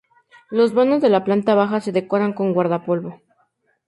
Los vanos de la planta baja se decoran con guardapolvo.